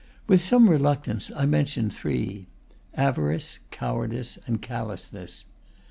With some reluctance, I mentioned three: avarice, cowardice and callousness.